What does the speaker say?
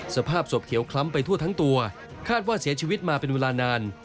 สภาพศพเขียวคล้ำไปทั่วทั้งตัวคาดว่าเสียชีวิตมาเป็นเวลานาน